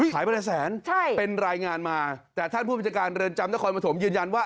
ขายใบละแสนเป็นรายงานมาแต่ท่านผู้บัญชาการเรือนจำถ้าคอยมาถมยืนยันว่า